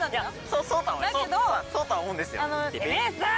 そうとは思うんですよ。